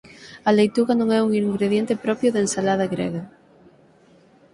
A leituga non é un ingrediente propio da ensalada grega.